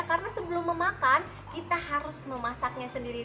karena sebelum memakan kita harus memasaknya sendiri